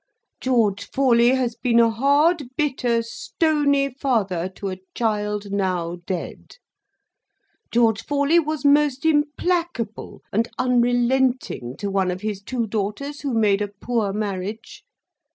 George Forley has been a hard, bitter, stony father to a child now dead. George Forley was most implacable and unrelenting to one of his two daughters who made a poor marriage.